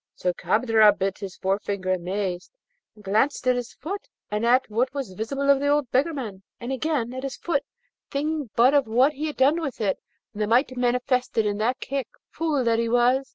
So Kadrab bit his forefinger amazed, and glanced at his foot, and at what was visible of the old beggarman, and again at his foot, thinking but of what he had done with it, and the might manifested in that kick, fool that he was!